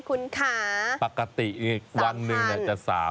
คุณวาเรียจากครับคุณวาเรียจากที่วานนึงตกวันเท่าไหร่